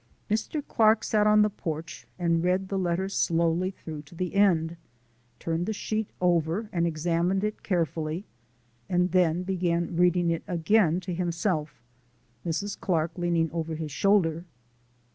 Mr. Clark sat on the porch and read the letter slowly through to the end, turned the sheet over and examined it carefully, and then began reading it again to himself, Mrs. Clark leaning over his shoulder.